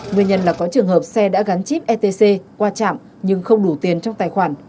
nguyên nhân là có trường hợp xe đã gắn chip etc qua trạm nhưng không đủ tiền trong tài khoản